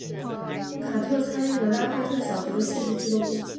卡特参与了拉斐特小学的戏剧俱乐部。